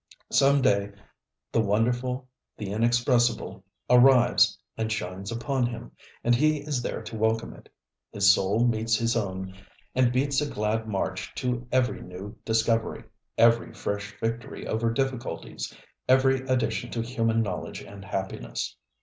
Some day the wonderful, the inexpressible, arrives and shines upon him, and he is there to welcome it. His soul meets his own and beats a glad march to every new discovery, every fresh victory over difficulties, every addition to human knowledge and happiness.